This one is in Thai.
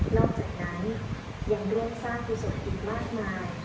นอกจากนั้นยังร่วมสร้างประสบความอิทธิ์มากมาย